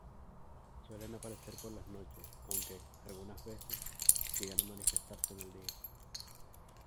Suelen aparecer por las noches, aunque -algunas veces- llegan a manifestarse en el día.